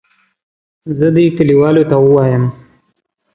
زه دې کلیوالو ته ووایم.